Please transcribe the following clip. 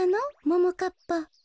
ももかっぱ。